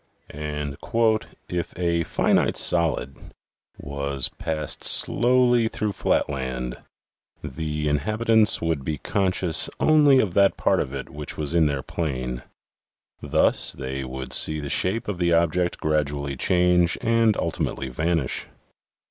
" If a finite solid was passed slowly through flatland, the inhabitants would be conscious only of that part of it which was in their plane. Thus they would see the shape of the object gradually change and ultimately vanish.